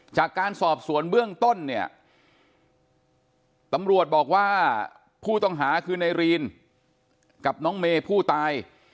จากการสอบสวนเบื้องต้นเนี่ยตำรวจบอกว่าผู้ต้องหาคือในรีนกับน้องเมย์ผู้ตาย